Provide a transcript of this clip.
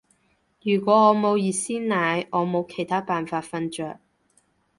如果我冇熱鮮奶，我冇其他辦法瞓着